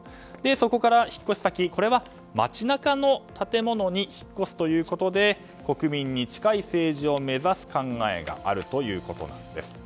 そこから引っ越し先街中の建物に引っ越すということで国民に近い政治を目指す考えがあるということです。